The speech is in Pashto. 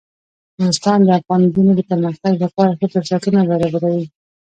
نورستان د افغان نجونو د پرمختګ لپاره ښه فرصتونه برابروي.